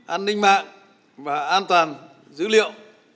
an ninh mạng và an toàn dữ liệu